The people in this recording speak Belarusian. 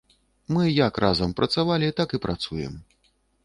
Мы як разам працавалі, так і працуем.